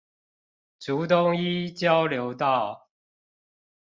竹東一交流道